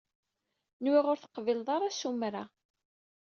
Nwiɣ ur teqbileḍ ara asumer-a.